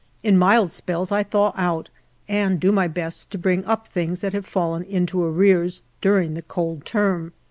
In mild spells I thaw out, and do my best to bring up things that have fallen into arrears during the cold term.